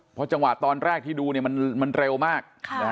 เพราะจังหวะตอนแรกที่ดูมันเร็วมาก